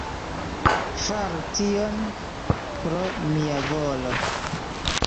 Faru tion pro mia volo.